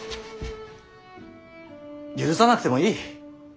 許さなくてもいい。